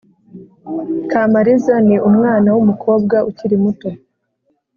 kamariza ni umwana w’umukobwa ukiri muto